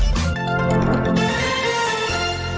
โปรดติดตามตอนต่อไป